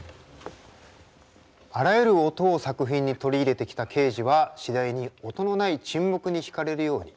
あらゆる音を作品に取り入れてきたケージは次第に音のない沈黙に引かれるように。